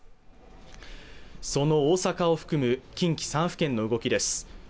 その大阪を含む近畿３府県の動きです